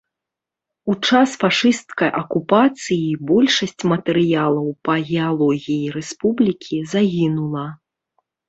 У час фашысцкай акупацыі большасць матэрыялаў па геалогіі рэспублікі загінула.